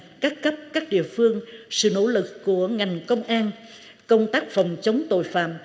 các cấp các địa phương sự nỗ lực của ngành công an công tác phòng chống tội phạm